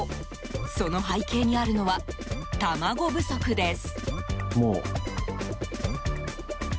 その背景にあるのは卵不足です。